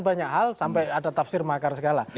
banyak hal sampai ada tafsir makar segala